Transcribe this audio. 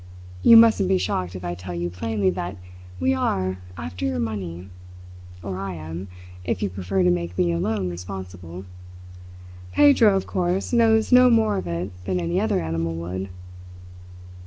You mustn't be shocked if I tell you plainly that we are after your money or I am, if you prefer to make me alone responsible. Pedro, of course, knows no more of it than any other animal would.